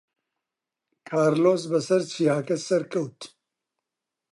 کارلۆس بەسەر چیاکە سەرکەوت.